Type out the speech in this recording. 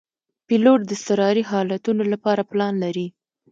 پیلوټ د اضطراري حالتونو لپاره پلان لري.